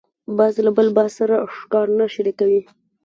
باز له بل باز سره ښکار نه شریکوي